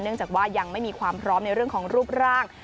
จากว่ายังไม่มีความพร้อมในเรื่องของรูปร่าง